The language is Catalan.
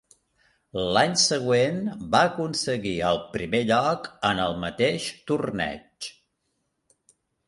L'any següent va aconseguir el primer lloc en el mateix torneig.